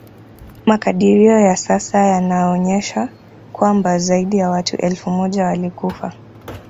Makadirio ya sasa yanaonyesha kwamba zaidi ya watu elfu moja walikufa